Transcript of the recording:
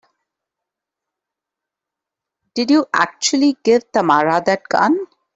Did you actually give Tamara that gun?